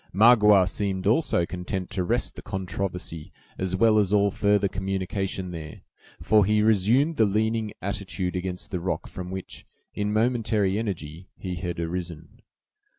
Magua seemed also content to rest the controversy as well as all further communication there, for he resumed the leaning attitude against the rock from which, in momentary energy, he had arisen.